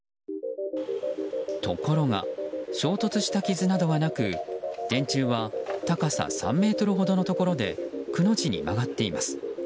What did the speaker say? ところが衝突した傷などはなく電柱は、高さ３ｍほどのところでくの字に曲がっています。